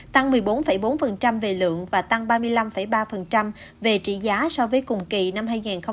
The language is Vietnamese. tăng một mươi bốn bốn về lượng và tăng ba mươi năm ba về trị giá so với cùng kỳ năm hai nghìn hai mươi ba